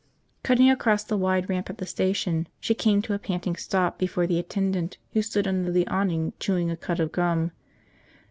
Cutting across the wide ramp at the station, she came to a panting stop before the attendant who stood under the awning chewing a cud of gum.